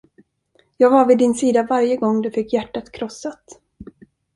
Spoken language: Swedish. Jag var vid din sida varje gång du fick hjärtat krossat.